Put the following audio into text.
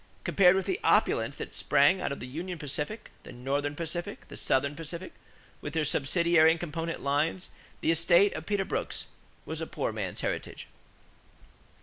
Compared with the opulence that sprang out of the Union Pacific, the Northern Pacific, the Southern Pacific, with their subsidiary and component lines, the estate of Peter Brooks was a poor man's heritage.